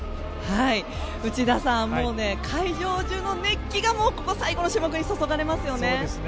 内田さん、会場中の熱気がここ、最後の種目に注がれますよね。